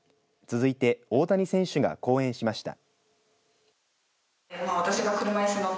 続いて大谷選手が講演しました。